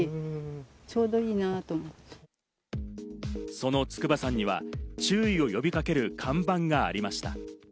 その筑波山には、注意を呼びかける看板がありました。